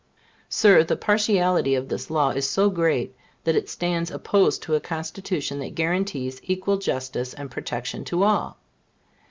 Sir, the partiality of this law is so great, that it stands opposed to a Constitution that guarantees equal justice and protection to all.